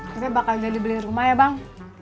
saya bakal jadi beli rumah ya bang